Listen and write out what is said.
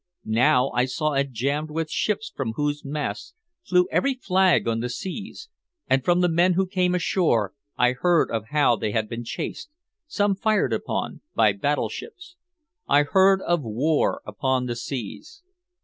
Now I saw it jammed with ships from whose masts flew every flag on the seas, and from the men who came ashore I heard of how they had been chased, some fired upon, by battleships I heard of war upon the seas.